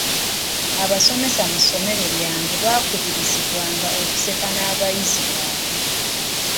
Abasomesa mu ssomero lyange baakubirizibwanga okuseka n'abayizi baabwe.